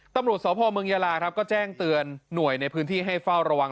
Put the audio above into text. ตำรวจสพเมืองยาลาครับก็แจ้งเตือนหน่วยในพื้นที่ให้เฝ้าระวัง